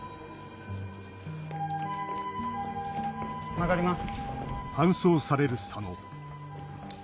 曲がります。